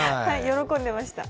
喜んでました。